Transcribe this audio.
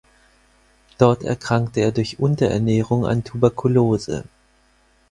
Dort erkrankte er durch Unterernährung an Tuberkulose.